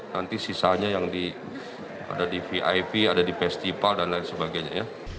nanti sisanya yang ada di vip ada di festival dan lain sebagainya ya